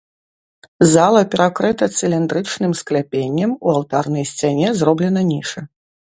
Зала перакрыта цыліндрычным скляпеннем, у алтарнай сцяне зроблена ніша.